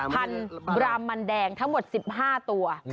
พันรามันแดงทั้งหมดสิบห้าตัว